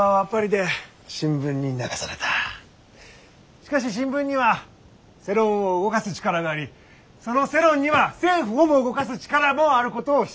しかし新聞には世論を動かす力がありその世論には政府をも動かす力もあることを知った。